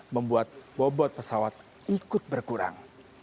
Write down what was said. membuat bobot pesawat ikut berkurang